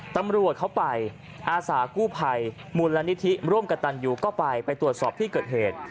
ตำรวจเขาไปอาสากู้ภัยมูลนิธิร่วมกับตันยูก็ไปไปตรวจสอบที่เกิดเหตุ